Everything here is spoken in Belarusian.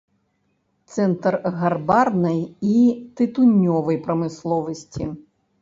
Цэнтр гарбарнай і тытунёвай прамысловасці.